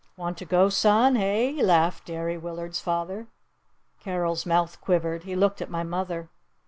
"Want to go, son, eh?" laughed Derry Willard's father. Carol's mouth quivered. He looked at my mother.